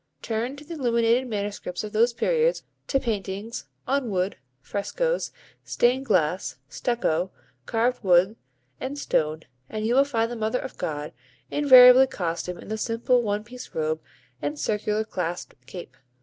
Turn to the illuminated manuscripts of those periods, to paintings, on wood, frescoes, stained glass, stucco, carved wood, and stone, and you will find the Mother of God invariably costumed in the simple one piece robe and circular clasped cape.